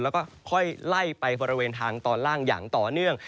แล้วก็ค่อยไล่ไปบริเวณทางตอนล่างอย่างต่อเนื่อง